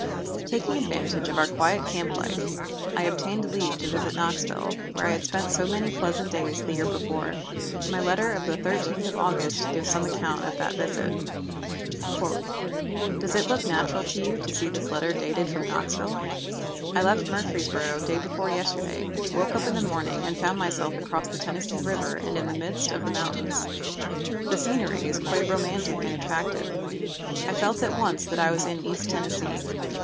Taking advantage of our quiet camp life, I obtained leave to visit Knoxville, where I had spent so many pleasant days the year before. My letter of the 13th of August gives some account of that visit: "Does it look natural to you to see this letter dated from Knoxville? I left Murfreesboro day before yesterday, woke up in the morning and found myself across the Tennessee River and in the midst of the mountains. The scenery is quite romantic and attractive. I felt at once that I was in East Tennessee.